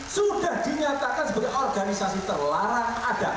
sudah dinyatakan sebagai organisasi terlarang ada